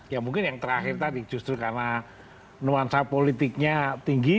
ya mungkin yang terakhir tadi justru karena nuansa politiknya tinggi